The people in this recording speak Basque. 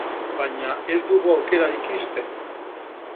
Baina ez dugu aukerarik ixten.